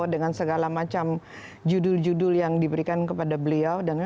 dengan segala macam judul judul yang diberikan kepada beliau